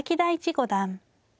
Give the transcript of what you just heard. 五段。